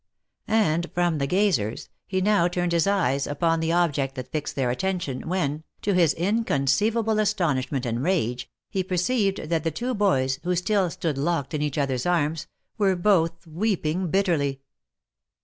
And from the gazers, he now turned his eyes upon the object that fixed their attention, when, to his inconceivable astonishment and rage, he perceived that the two boys, who still stood locked in each other's arms, were both weeping bitterly."